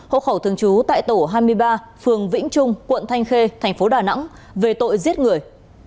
một nghìn chín trăm tám mươi chín hộ khẩu thường trú tại tổ hai mươi ba phường vĩnh trung quận thanh khê tp đà nẵng về tội giết người